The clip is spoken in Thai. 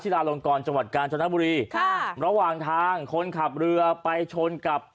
ระหว่างทางคนขับเรือไปชนกับ